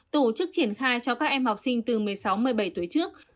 tổ chức triển khai cho các em học sinh từ một mươi sáu một mươi bảy tuổi trước